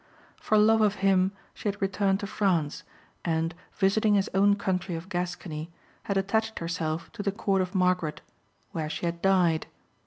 For love of him she had returned to France, and, visiting his own country of Gascony, had attached herself to the Court of Margaret, where she had died.